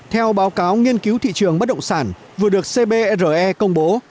theo báo cáo nghiên cứu thị trường bất động sản vừa được cbre công bố